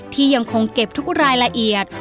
ที่ยังคงเก็บทุกรายละเอียด